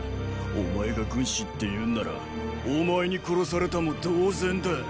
お前が軍師っていうんならお前に殺されたも同然だ。